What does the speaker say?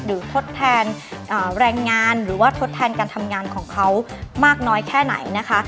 ทดแทนแรงงานหรือว่าทดแทนการทำงานของเขามากน้อยแค่ไหนนะคะ